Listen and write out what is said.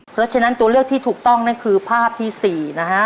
เพราะฉะนั้นตัวเลือกที่ถูกต้องนั่นคือภาพที่๔นะฮะ